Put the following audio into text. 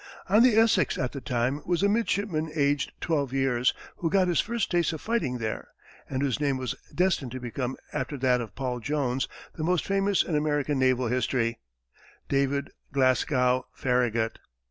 On the Essex at the time was a midshipman aged twelve years, who got his first taste of fighting there, and whose name was destined to become, after that of Paul Jones, the most famous in American naval history David Glasgow Farragut.